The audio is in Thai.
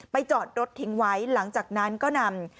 จอดรถทิ้งไว้หลังจากนั้นก็นำ